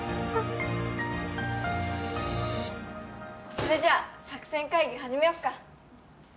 それじゃ作戦会議始めよっか。